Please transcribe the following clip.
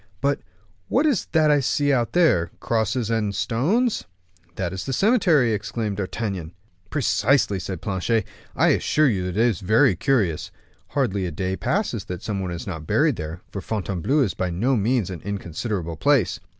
"But what is that I see out there, crosses and stones?" "Ah, that is the cemetery," exclaimed D'Artagnan. "Precisely," said Planchet; "I assure you it is very curious. Hardly a day passes that some one is not buried there; for Fontainebleau is by no means an inconsiderable place.